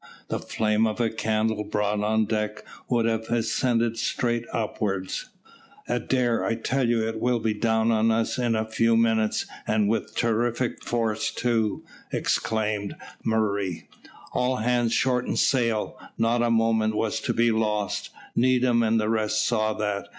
The flame of a candle brought on deck would have ascended straight upwards. "Adair, I tell you it will be down on us in a few minutes, and with terrific force too," exclaimed Murray. "All hands shorten sail!" Not a moment was to be lost; Needham and the rest saw that.